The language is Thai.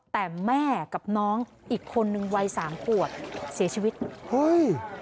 แต่แม่กับน้องอีกคนนึงวัยสามขวบเสียชีวิตเฮ้ย